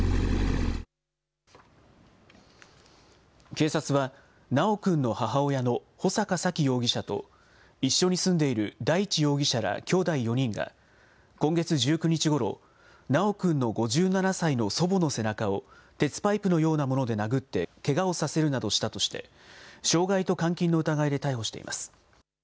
警察は、修くんの母親の穂坂沙喜容疑者と、一緒に住んでいる大地容疑者らきょうだい４人が、今月１９日ごろ修くんの５７歳の祖母の背中を、鉄パイプのようなもので殴ってけがをさせるなどしたとして、傷害と監禁の疑いで逮捕しています。